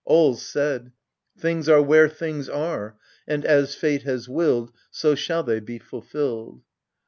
All's said : Things are where things are, and, as fate has willed, So shall they be fulfilled.